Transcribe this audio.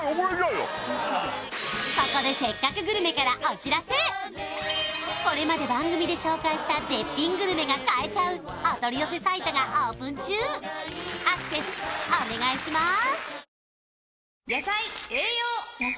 ここで「せっかくグルメ！！」からお知らせこれまで番組で紹介した絶品グルメが買えちゃうお取り寄せサイトがオープン中アクセスお願いします